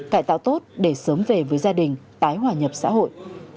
cải tạo tốt để sớm về với gia đình tái hòa nhập xã hội